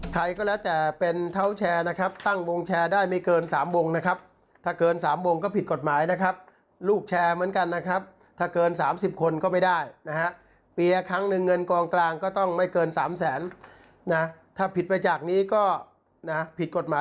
ส่วนเท้าแชร์ถ้าลูกแชร์เบี้ยวก็ทวงนี่ได้